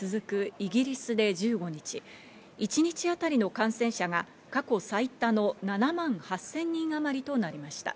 イギリスで１５日、一日あたりの感染者が過去最多の７万８０００人あまりとなりました。